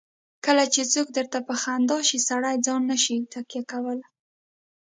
کله چې څوک درته په خندا شي سړی ځان نه شي تکیه کولای.